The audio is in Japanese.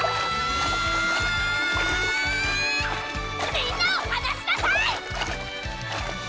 みんなを放しなさい！